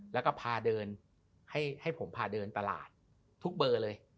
แล้วก็พาเดินให้ผมพาเดินตลาดทุกเบอร์เลย